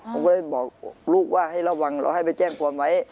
ผมก็เลยบอกลูกว่าให้ระวังเราให้ไปแจ้งความไว้